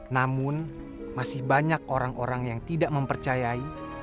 namun masih banyak orang orang yang tidak mempercayai